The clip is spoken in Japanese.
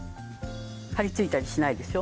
貼り付いたりしないでしょ？